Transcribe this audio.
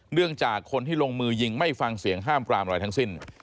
เนื่องจากคนที่ลงมือยิงไม่ฟังเสียงห้ามปรามอะไรทั้งสิ้น